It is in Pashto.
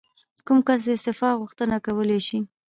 کوم کس د استعفا غوښتنه کولی شي؟